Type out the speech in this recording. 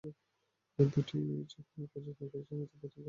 এই দুটি ছবিই প্রযোজনা করেছে অমিতাভ বচ্চন কর্পোরেশন।